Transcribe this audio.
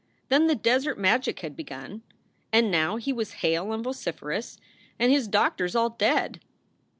Then the desert magic had begun, and now he was hale and vociferous "and his doctors all dead."